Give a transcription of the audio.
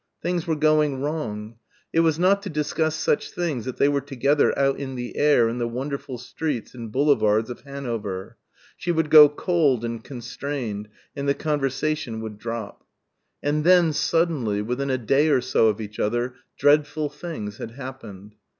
Things were going wrong. It was not to discuss such things that they were together out in the air in the wonderful streets and boulevards of Hanover. She would grow cold and constrained, and the conversation would drop. And then, suddenly, within a day or so of each other, dreadful things had happened.